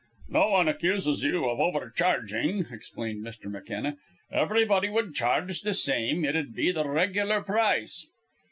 "No one accuses you of overcharging," explained Mr. McKenna. "Everybody would charge the same. It'd be the regular price."